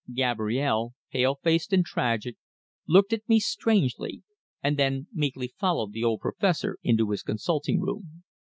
Gabrielle, pale faced and tragic, looked at me strangely, and then meekly followed the old Professor into his consulting room.